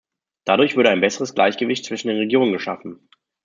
Dadurch würde ein besseres Gleichgewicht zwischen den Regionen geschaffen.